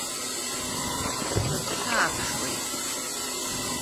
Снаԥшы-ааԥшуеит.